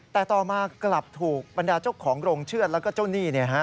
แต่ต่อมากลับถูกปัญญาเจ้าของโรงเชื้อและเจ้านี่